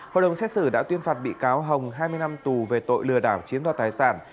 hội đồng xét xử đã tuyên phạt bị cáo hồng hai mươi năm tù về tội lừa đảo chiếm đoạt tài sản